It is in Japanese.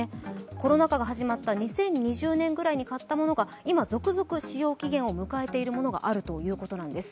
コロナ禍が始まった２０２０年ぐらいに買ったものが今続々、使用期限を迎えているものがあるということです。